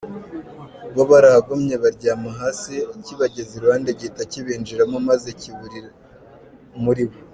Bo barahagumye baryama hasi kibageze iruhande gihita kibinjiramo maze kiburira muribo.